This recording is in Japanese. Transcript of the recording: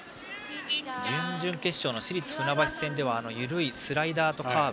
準々決勝の市立船橋戦では緩いスライダーとカーブ。